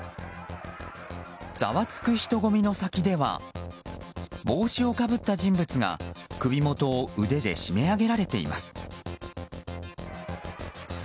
ざわつく人混みの先では帽子をかぶった人物が首元を腕で締め上げられています。